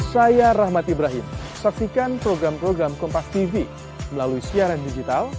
saya rahmat ibrahim saksikan program program kompas tv melalui siaran digital